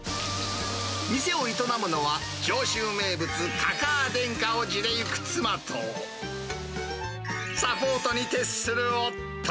店を営むのは、上州名物、かかあ天下を地で行く妻と、サポートに徹する夫。